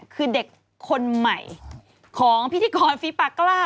คือเด็กคนใหม่ของพิธีกรฟิปักษ์ก็ล่ะ